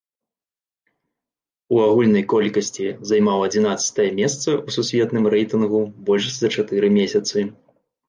У агульнай колькасці займаў адзінаццатае месца ў сусветным рэйтынгу больш за чатыры месяцы.